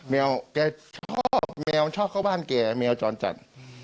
แมวแกชอบแมวชอบเข้าบ้านแกแมวจรจัด